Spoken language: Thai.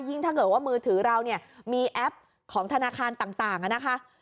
ถ้าเกิดว่ามือถือเราเนี่ยมีแอปของธนาคารต่างนะคะ